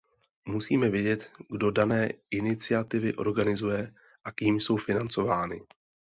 Musíme vědět, kdo dané iniciativy organizuje a kým jsou financovány.